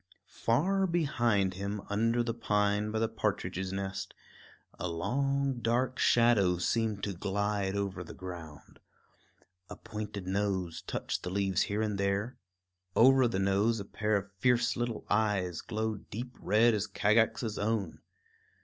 Far behind him, under the pine by the partridge's nest, a long dark shadow seemed to glide over the ground. A pointed nose touched the leaves here and there; over, the nose a pair of fierce little eyes glowed deep red as Kagax's own.